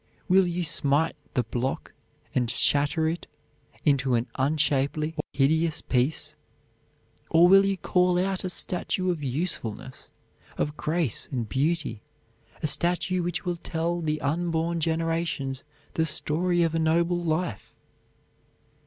Will you smite the block and shatter it into an unshapely or hideous piece; or will you call out a statue of usefulness, of grace and beauty, a statue which will tell the unborn generations the story of a noble life?